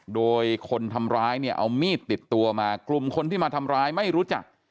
โดยคนทำร้ายเนี่ยเอามีดติดตัวมากลุ่มคนที่มาทำร้ายไม่รู้จัก